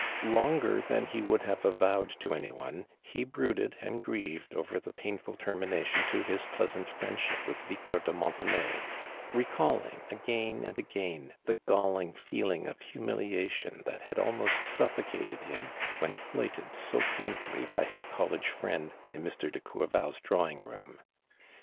Longer tlian he would havoavowo<l to any one, he brotuled and gjievod oyer tlio painful termination to his pleasant friendship with Victor de Montenay, recall ing again and again, the galling feeling of humiliation that had almost suffocated him when slighte<l so painfully by his cob lege friend, in Mr. de Coiiryal's drawing 28 ARMANP DURAND. room.